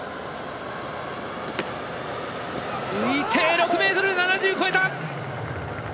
６ｍ７０超えた！